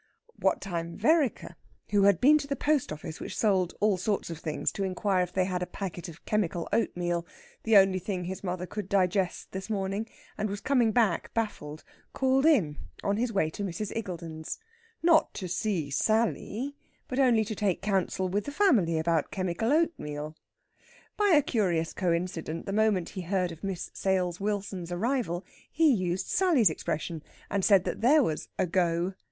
What time Vereker, who had been to the post office, which sold all sorts of things, to inquire if they had a packet of chemical oatmeal (the only thing his mother could digest this morning), and was coming back baffled, called in on his way to Mrs. Iggulden's. Not to see Sally, but only to take counsel with the family about chemical oatmeal. By a curious coincident, the moment he heard of Miss Sales Wilson's arrival, he used Sally's expression, and said that there was "a go!"